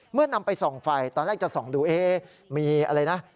นำไปส่องไฟตอนแรกจะส่องดูเอ๊ะมีอะไรนะ